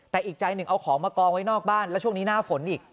แต่อีกใจหนึ่งเอาของมากองไว้นอกบ้านแล้วช่วงนี้หน้าฝนอีก